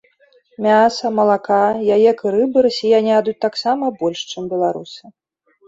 Мяса, малака, яек і рыбы расіяне ядуць таксама больш, чым беларусы.